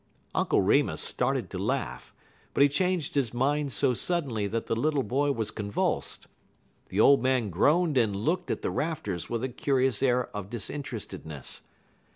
Uncle Remus started to laugh, but he changed his mind so suddenly that the little boy was convulsed. The old man groaned and looked at the rafters with a curious air of disinterestedness.